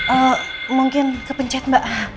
eee mungkin kepencet mbak